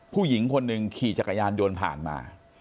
ผู้หญิงคนหนึ่งขี่จักรยานยนต์ผ่านมา